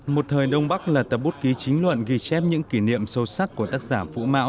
một thời đông bắc là tập bút ký chính luận ghi chép những kỷ niệm sâu sắc của tác giả vũ mão